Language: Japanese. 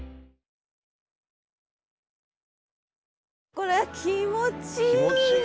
これ気持ちいいね！